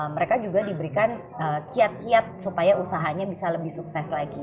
mereka juga diberikan kiat kiat supaya usahanya bisa lebih sukses lagi